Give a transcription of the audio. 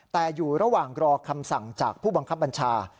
แต่อยู่ระหว่างรอคำสั่งจากผู้บังคับบัญชา